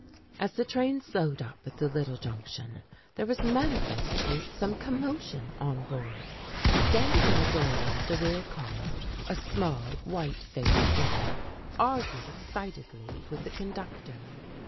As the train slowed up at the little Junction, there was manifestly some commotion on board. Standing in the doorway of the rear car a small, white faced woman argued excitedly with the conductor.